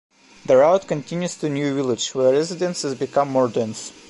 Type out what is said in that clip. The route continues to New Village, where residences become more dense.